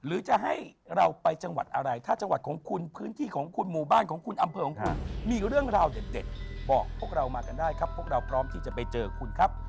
หรือจะให้เราไปจังหวัดอะไรถ้าจังหวัดของคุณพื้นที่ของคุณหมู่บ้านของคุณอำเภอของคุณมีเรื่องราวเด็ดบอกพวกเรามากันได้ครับพวกเราพร้อมที่จะไปเจอคุณครับ